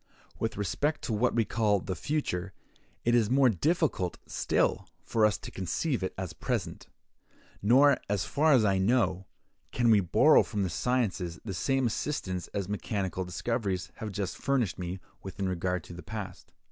With respect to what we call the future, it is more difficult still for us to conceive it as present; nor, as far as I know, can we borrow from the sciences the same assistance as mechanical discoveries have just furnished me with in regard to the past.